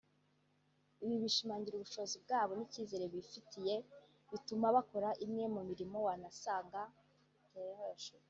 Ibi bishimangira ubushobozi bwabo n’icyizere bifitiye bituma bakora imwe mu mirimo wasangaga batemerewe kubera amateka mabi